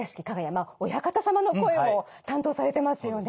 まあお館様の声も担当されてますよね。